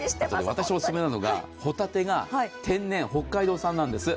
私、お勧めなのが、ほたてが天然、北海道産なんです。